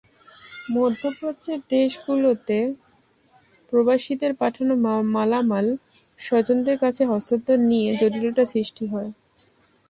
মধ্যপ্রাচ্যের দেশগুলোতে প্রবাসীদের পাঠানো মালামাল স্বজনদের কাছে হস্তান্তর নিয়ে জটিলতা সৃষ্টি হয়।